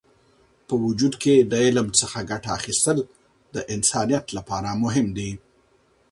په وجود کې د علم څخه ګټه اخیستل د انسانیت لپاره مهم دی.